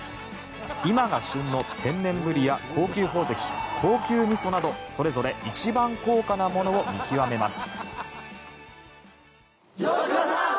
今が旬の天然ブリや高級宝石高級みそなどそれぞれ一番高価なものを見極めます。